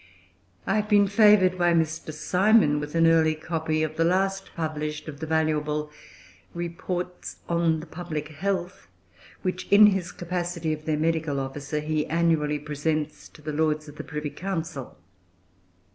I have been favoured by Mr. Simon with an early copy of the last published of the valuable "Reports on the Public Health," which, in his capacity of their medical officer, he annually presents to the Lords of the Privy Council.